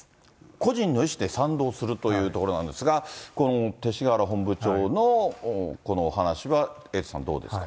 個人の意思で賛同するというところなんですが、勅使河原本部長のこのお話はエイトさん、どうですか。